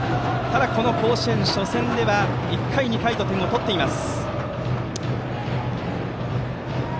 ただ、この甲子園初戦では１回と２回に点を取っています。